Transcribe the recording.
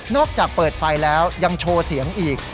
อกจากเปิดไฟแล้วยังโชว์เสียงอีก